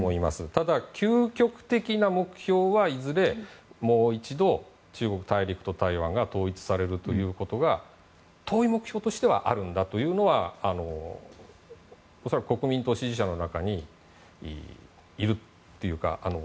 ただ、究極的な目標はいずれ、もう一度中国大陸と台湾が統一されるということが遠い目標としてはあるんだというのは恐らく国民党支持者の中にいるというか。